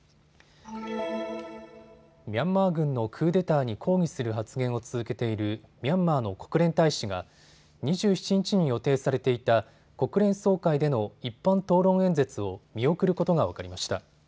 ミャンマー軍のクーデターに抗議する発言を続けているミャンマーの国連大使が２７日に予定されていた国連総会での一般討論演説を見送ることが分かりました。